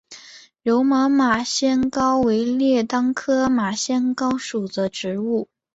柔毛马先蒿为列当科马先蒿属的植物。